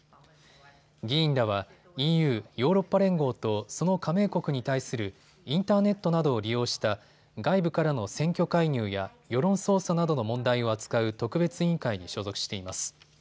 議員らはＥＵ・ヨーロッパ連合とその加盟国に対するインターネットなどを利用した外部からの選挙介入や世論操作などの問題を扱う特別委員会に所属しています。